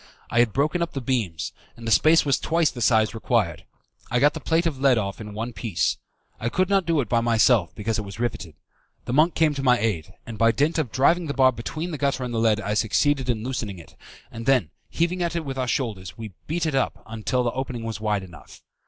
I had broken up the beams, and the space was twice the size required. I got the plate of lead off in one piece. I could not do it by myself, because it was riveted. The monk came to my aid, and by dint of driving the bar between the gutter and the lead I succeeded in loosening it, and then, heaving at it with our shoulders, we beat it up till the opening was wide enough.